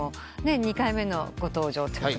２回目のご登場。